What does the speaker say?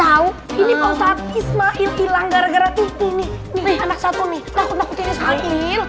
tahu ini posat ismail hilang gara gara tipi nih nih anak satu nih takut takutin ismail